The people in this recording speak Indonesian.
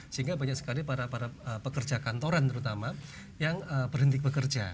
sehingga banyak sekali para para pekerja kantoran terutama yang berhenti bekerja